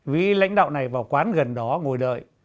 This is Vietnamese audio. vĩ lãnh đạo này vào quán gần đó ngồi đợi